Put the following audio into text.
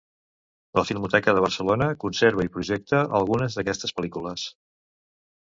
La Filmoteca de Barcelona conserva i projecta algunes d'aquestes pel·lícules.